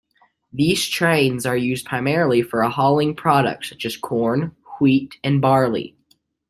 These trains are used primarily for hauling products such as corn, wheat and barley.